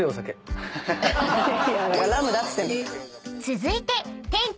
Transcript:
［続いて］